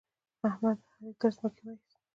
احمد؛ علي تر ځمکه واېست.